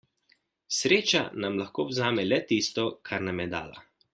Sreča nam lahko vzame le tisto, kar nam je dala.